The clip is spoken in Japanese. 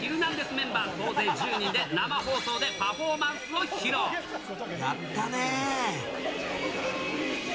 メンバー総勢１０人で生放送でパフォーマンスを披やったねー。